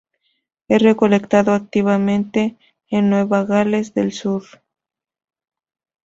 Ha recolectado activamente en Nueva Gales del Sur.